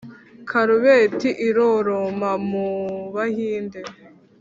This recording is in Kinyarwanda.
karubeti iroroma mu bahinde,